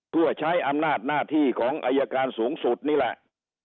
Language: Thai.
เพื่อใช้อำนาจหน้าที่ของอายการสูงสุดนี่แหละ